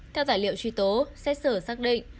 theo tài liệu truy tố xét xử xác định